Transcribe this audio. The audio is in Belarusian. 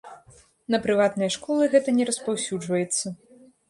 На прыватныя школы гэта не распаўсюджваецца.